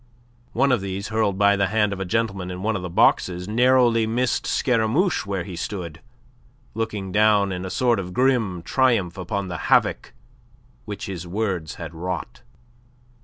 One of these hurled by the hand of a gentleman in one of the boxes narrowly missed Scaramouche where he stood, looking down in a sort of grim triumph upon the havoc which his words had wrought.